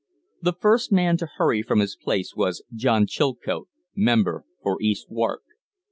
The first man to hurry from his place was John Chilcote, member for East Wark.